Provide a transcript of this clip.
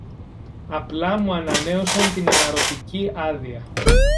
Απλά μου ανανέωσαν την αναρρωτική άδεια